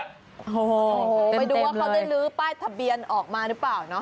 โอ้โหไปดูว่าเขาได้ลื้อป้ายทะเบียนออกมาหรือเปล่าเนาะ